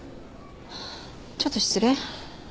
ちょっと失礼。